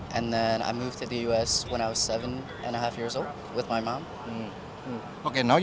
dan saya berubah ke amerika serikat ketika saya tujuh lima tahun dengan ibu saya